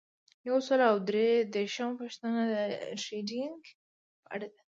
یو سل او درې دیرشمه پوښتنه د ټریننګ په اړه ده.